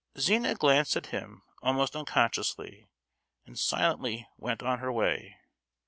Zina glanced at him almost unconsciously, and silently went on her way.